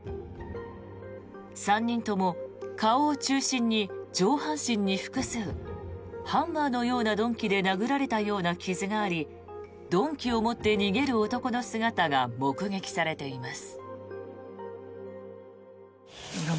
３人とも顔を中心に上半身に複数ハンマーのような鈍器で殴られたような傷があり鈍器を持って逃げる男の姿が目撃されています。